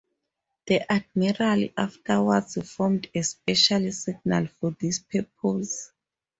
The admiral afterwards formed a special signal for this purpose.